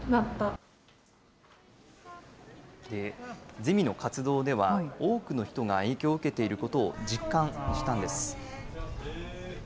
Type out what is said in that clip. ゼミの活動では、多くの人が影響を受けていることを実感したんです。